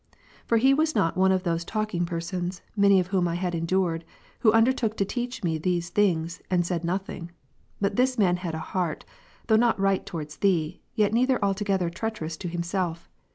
For he was not one of those talking persons, many of whom I had endured, who undertook to teach me these things, and said nothing. But this man had a heart, though not right towards Thee, yet neither altogether treacherous to himself.